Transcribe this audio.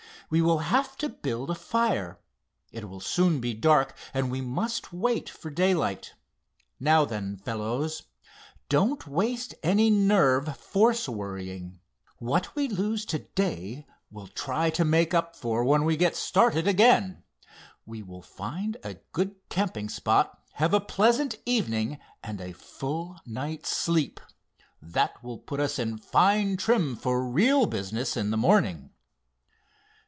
"We will have to build a fire. It will soon be dark and we must wait for daylight. Now then, fellows, don't waste any nerve force worrying. What we lose to day we'll try to make up for when we get started again. We will find a good camping spot, have a pleasant evening, and a full night's sleep. That will put us in fine trim for real business in the morning."